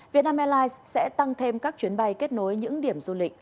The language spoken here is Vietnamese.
vietnam airlines sẽ tăng thêm các chuyến bay kết nối những điểm du lịch